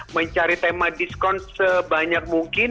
mencari tema diskon sebanyak mungkin